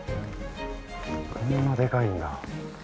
こんなでかいんだ。